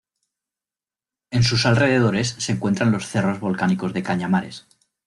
En sus alrededores se encuentran los cerros volcánicos de Cañamares.